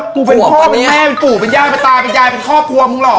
กูเป็นแย่เป็นค่อควรเป็นแม่มันเป็นกูเป็นยาวไหมเป็นตาเป็นยายเป็นครอบครัวมึงหรอก